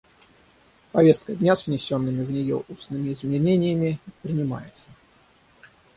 Повестка дня с внесенными в нее устными изменениями принимается.